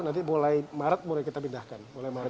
nanti mulai maret mulai kita pindahkan